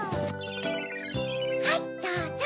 はいどうぞ。